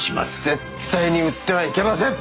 絶対に売ってはいけません！